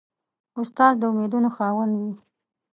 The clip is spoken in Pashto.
استاد د امیدونو خاوند وي.